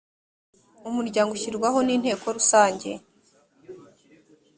umuryango ushyirwaho n ‘inteko rusange .